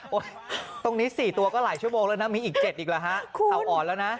ตรงนี้๔ตัวก็หลายชั่วโมงแล้วนะมีอีก๗อีกแล้วฮะเข่าอ่อนแล้วนะ